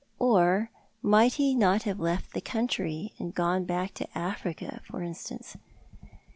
Or might he not have left the country— gone back to Africa, for instance?"